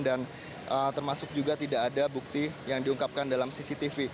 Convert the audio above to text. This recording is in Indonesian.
termasuk juga tidak ada bukti yang diungkapkan dalam cctv